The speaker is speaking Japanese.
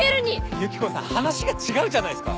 ユキコさん話が違うじゃないっすか！